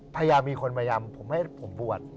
พยายามมีคนมายำผมให้ผมบวช